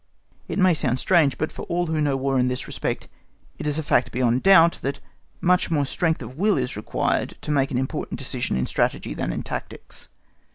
It may sound strange, but for all who know War in this respect it is a fact beyond doubt, that much more strength of will is required to make an important decision in Strategy than in tactics.